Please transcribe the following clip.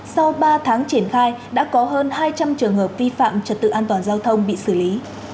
sau ba tháng triển khai đã có hơn hai trăm linh trường hợp vi phạm trật tự an toàn giao thông bị xử lý